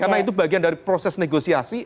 karena itu bagian dari proses negosiasi